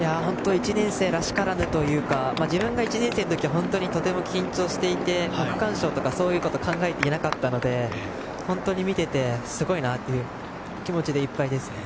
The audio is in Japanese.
１年生らしからぬというか自分が１年生の時はとても緊張していて区間賞とかそういうことは考えていなかったので本当に見ていてすごいなという気持ちでいっぱいですね。